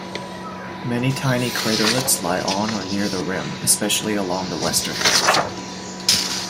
Many tiny craterlets lie on or near the rim, especially along the western edge.